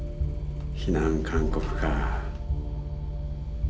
避難勧告か。